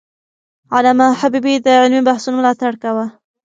علامه حبيبي د علمي بحثونو ملاتړ کاوه.